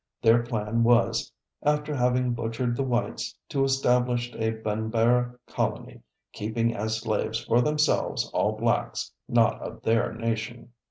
Their plan was, after having butchered the whites, to establish a Banbara colony, keeping as slaves for themselves all blacks not of their nation.